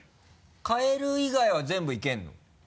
かえる以外は全部いけるの？